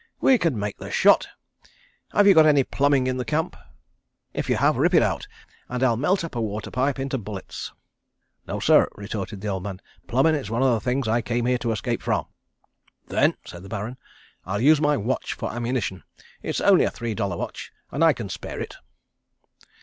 "We can make the shot. Have you got any plumbing in the camp? If you have, rip it out, and I'll melt up a water pipe into bullets." "No, sir," retorted the old man. "Plumbin' is one of the things I came here to escape from." "Then," said the Baron, "I'll use my watch for ammunition. It is only a three dollar watch and I can spare it."